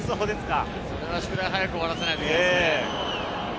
それは宿題を早く終わらせないといけないですね。